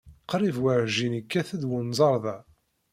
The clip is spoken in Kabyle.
Qrib werjin yekkat-d wenẓar da.